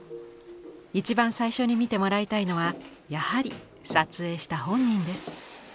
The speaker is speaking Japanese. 一番最初に見てもらいたいのはやはり撮影した本人です。